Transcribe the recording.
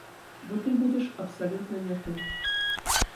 Бо ты будзеш абсалютна не ты.